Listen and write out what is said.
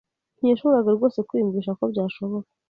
ntiyashoboraga rwose kwiyumvisha ko byashoboka